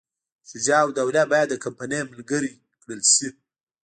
شجاع الدوله باید د کمپنۍ ملګری کړل شي.